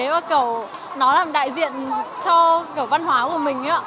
và cầu nó làm đại diện cho kiểu văn hóa của mình